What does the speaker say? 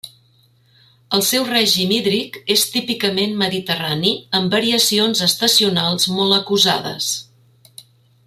El seu règim hídric és típicament mediterrani amb variacions estacionals molt acusades.